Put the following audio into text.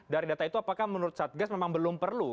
dari data itu apakah menurut satgas memang belum perlu